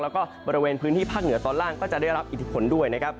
แล้วก็บริเวณพื้นที่ภาคเหนือตอนล่างก็จะได้รับอิทธิพลด้วยนะครับ